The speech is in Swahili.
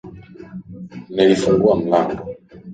Nilifungua mlango.